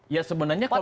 ya sebenarnya komposisi